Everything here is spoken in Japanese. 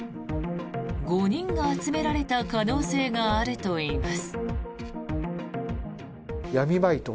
５人が集められた可能性があるといいます。